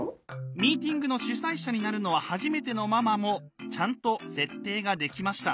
ミーティングの主催者になるのは初めてのママもちゃんと設定ができました。